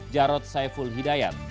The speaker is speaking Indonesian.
jarod saiful hidayat